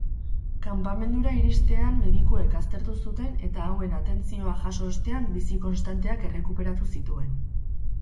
Kanpamendura iristean medikuek aztertu zuten eta hauen atentzioak jaso ostean bizi-konstanteak errekuperatu zituen.